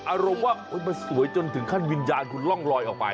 อารมณ์ว่ามันสวยจนถึงขั้นวิญญาณคุณร่องลอยออกไป